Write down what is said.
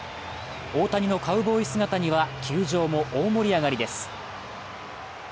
大谷のカウボーイ姿には球場も大盛り上がりです。